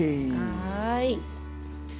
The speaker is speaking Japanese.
はい。